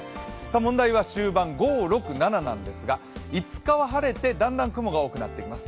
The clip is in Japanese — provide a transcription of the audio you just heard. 問題は終盤、５、６、７なんですが５日は晴れてだんだん雲が多くなってきます。